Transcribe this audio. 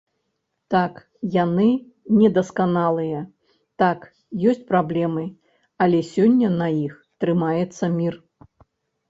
Так, яны недасканалыя, так, ёсць праблемы, але сёння на іх трымаецца мір.